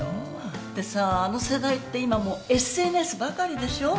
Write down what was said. でさあの世代って今もうＳＮＳばかりでしょ。